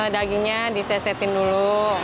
dagingnya disesetin dulu